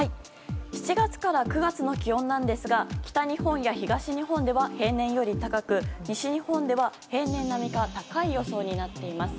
７月から９月の気温なんですが北日本や東日本では平年より高く西日本では平年並みか高い予想になっています。